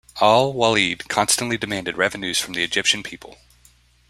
Al-Walid constantly demanded revenues from the Egyptian people.